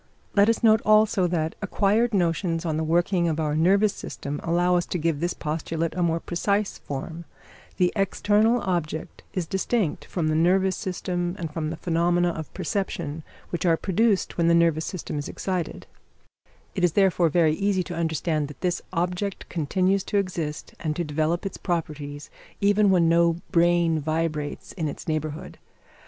Let us note also that acquired notions on the working of our nervous system allow us to give this postulate a most precise form: the external object is distinct from the nervous system and from the phenomena of perception which are produced when the nervous system is excited; it is therefore very easy to understand that this object continues to exist and to develop its properties, even when no brain vibrates in its neighbourhood.